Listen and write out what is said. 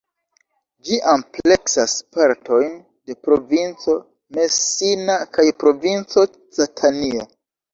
Ĝi ampleksas partojn de provinco Messina kaj provinco Catania.